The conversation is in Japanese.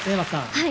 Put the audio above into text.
はい。